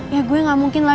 ya gue gak mungkin lah